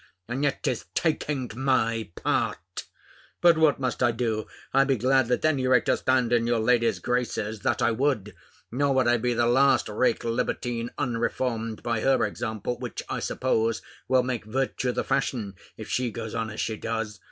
And yet 'tis taking my part. But what must I do? I'd be glad at any rate to stand in your lady's graces, that I would; nor would I be the last rake libertine unreformed by her example, which I suppose will make virtue the fashion, if she goes on as she does.